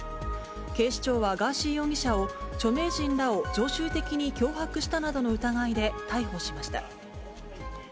警視庁は、ガーシー容疑者を、著名人らを常習的に脅迫したなどの疑いで逮捕しました。